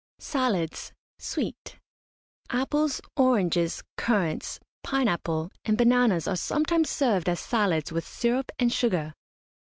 SALADS, SWEET. Apples, oranges, currants, pine apple, and bananas are sometimes served as salads with syrup and sugar.